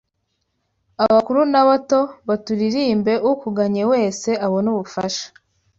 Abakuru n’abato baturirimbeukugannye wese abone ubufasha